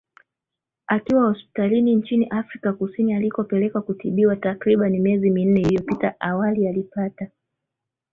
akiwa hospitalini nchini Afrika Kusini alikopelekwa kutibiwa takriban miezi minne iliyopita Awali alipata